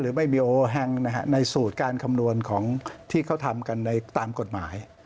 ถึงการที่เขาทำกันตามกฎหมาย